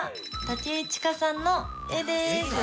竹井千佳さんの絵です。